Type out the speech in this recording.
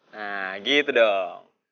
nah gitu dong